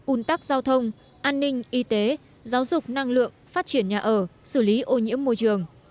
un tắc giao thông an ninh y tế giáo dục năng lượng phát triển nhà ở xử lý ô nhiễm môi trường